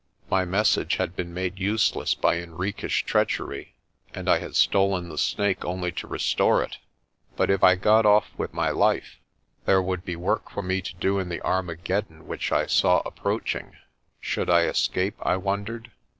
My message had been made useless by Henriques 7 treachery and I had stolen the Snake only to restore it. But if I got off with my life, there would be work for me to do in the Armageddon which I saw ap proaching. Should I escape, I wondered.